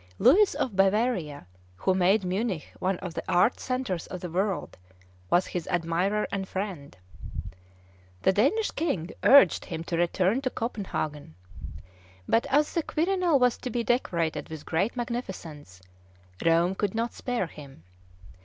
Louis of Bavaria, who made Munich one of the art centres of the world, was his admirer and friend. The Danish King urged him to return to Copenhagen; but, as the Quirinal was to be decorated with great magnificence, Rome could not spare him.